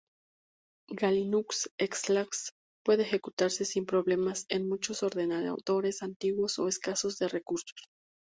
Galinux-Slax puede ejecutarse sin problemas en muchos ordenadores antiguos o escasos de recursos.